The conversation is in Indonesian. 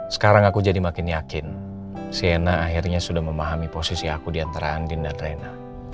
sekarang aku jadi makin yakin siena akhirnya sudah memahami posisi aku di antara andin dan reina